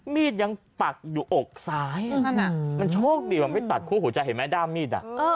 มีดยังปักอยู่อกซ้ายมันโชคดีมันไม่ตัดคู่หัวใจเห็นไหมด้ามมีด